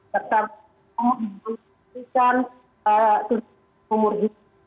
berikan penuntut hukuman seumur hidup